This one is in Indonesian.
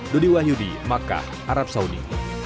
dodi wahyudi makkah arab saudi